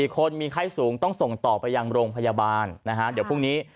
คนมีไข้สูงต้องส่งต่อไปยังโรงพยาบาลนะฮะเดี๋ยวพรุ่งนี้